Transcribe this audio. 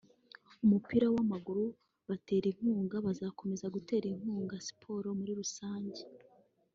umupira w’amaguru batera inkunga bazakomeza gutera inkunga siporo muri rusange